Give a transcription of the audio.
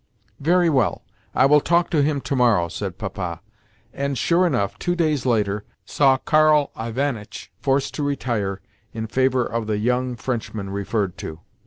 "Very well; I will talk to him to morrow," said Papa. And, sure enough, two days later saw Karl Ivanitch forced to retire in favour of the young Frenchman referred to.